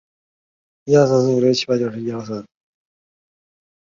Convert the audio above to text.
针茎姬石蛾为姬石蛾科姬石蛾属下的一个种。